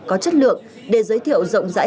có chất lượng để giới thiệu rộng rãi